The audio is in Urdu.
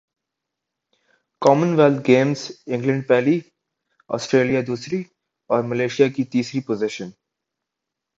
کامن ویلتھ گیمز انگلینڈ پہلی سٹریلیا دوسری اور ملائشیا کی تیسری پوزیشن